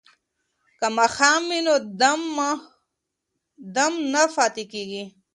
که ماښام وي نو دم نه پاتې کیږي.